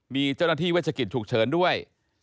มีเจ้าหน้าที่เวชกิจฉุกเฉินด้วย